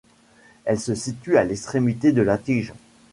Elles se situent à l’extrémité de la tige.